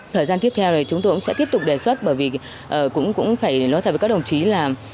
thời gian tiếp theo thì chúng tôi cũng sẽ tiếp tục đề xuất bởi vì cũng phải nói thật với các đồng chí là